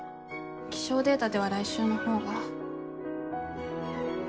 気象データでは来週の方が。